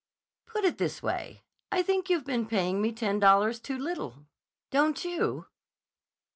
"Put it this way; I think you've been paying me ten dollars too little. Don't you?"